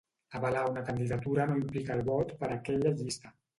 Avalar una candidatura no implica el vot per a aquella llista.